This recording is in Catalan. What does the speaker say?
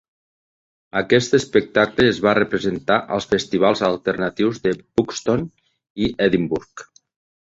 Aquest espectacle es va representar als festivals alternatius de Buxton i Edimburg.